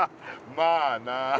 まあな。